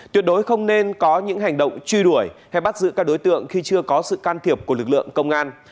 tuyệt đối không nên có những hành động truy đuổi hay bắt giữ các đối tượng khi chưa có sự can thiệp của lực lượng công an